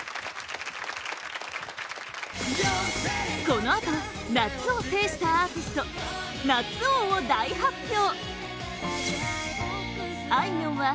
このあと夏を制したアーティスト夏王を大発表！